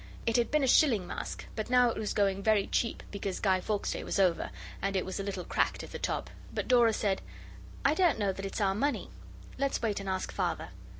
It had been a shilling mask, but now it was going very cheap because Guy Fawkes' Day was over, and it was a little cracked at the top. But Dora said, 'I don't know that it's our money. Let's wait and ask Father.